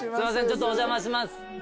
ちょっとお邪魔します。